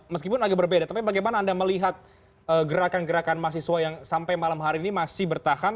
meskipun agak berbeda tapi bagaimana anda melihat gerakan gerakan mahasiswa yang sampai malam hari ini masih bertahan